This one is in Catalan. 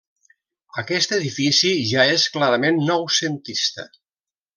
Aquest edifici ja és clarament noucentista.